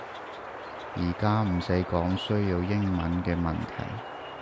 而家唔使講需要英文嘅問題